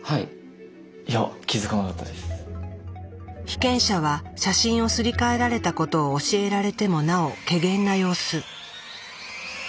被験者は写真をすり替えられたことを教えられてもなおけげんな様子。